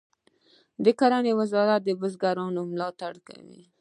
د کرنې وزارت د بزګرانو ملاتړ کوي